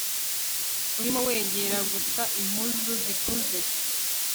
urimo wegera gusa impuzu zikuze